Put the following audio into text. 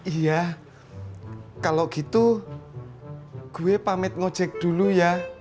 iya kalau gitu gue pamit ngojek dulu ya